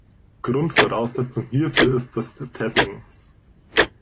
Grundvoraussetzung hierfür ist das Tapping.